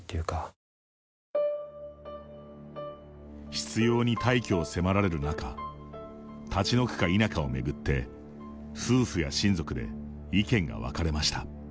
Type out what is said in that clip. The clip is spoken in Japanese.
執ように退去を迫られる中立ち退くか否かを巡って夫婦や親族で意見が分かれました。